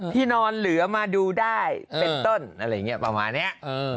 ที่นอนเหลือมาดูได้เป็นต้นอะไรอย่างนี้ประมาณนี้